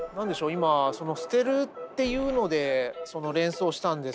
今その捨てるっていうので連想したんですけど。